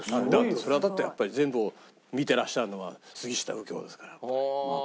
そりゃだってやっぱり全部を見てらっしゃるのは杉下右京ですからやっぱり。